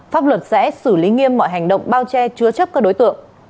pháp luật sẽ xử lý nghiêm mọi hành động bao che chứa chấp các đối tượng